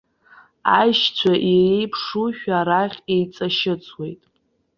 Аишьцәа иреиԥшушәа, арахь, еиҵашьыцуеит.